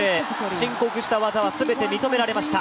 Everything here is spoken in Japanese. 申告した技は全て認められました。